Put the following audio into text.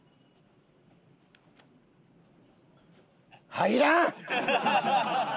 入らん！